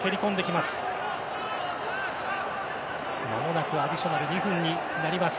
まもなくアディショナル２分になります。